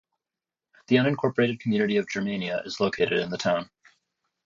The unincorporated community of Germania is located in the town.